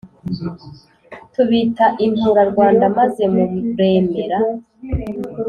Tubita intura Rwanda maze muremera